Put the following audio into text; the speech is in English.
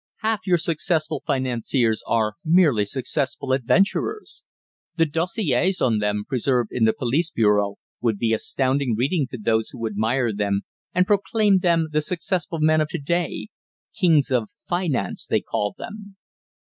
Half your successful financiers are merely successful adventurers. The dossiers of some of them, preserved in the police bureaux, would be astounding reading to those who admire them and proclaim them the successful men of to day kings of finance they call them!"